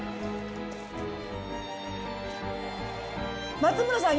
松村さん